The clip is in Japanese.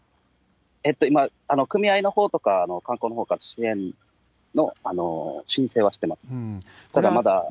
今、組合のほうとか観光のほうから、支援の申請はしてます。